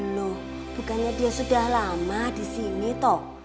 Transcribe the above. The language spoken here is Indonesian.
loh bukannya dia sudah lama disini toh